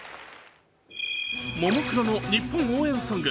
ももクロの日本応援ソング